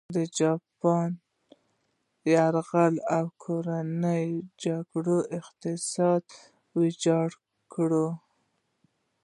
د جاپان یرغل او کورنۍ جګړو اقتصاد ویجاړ کړ.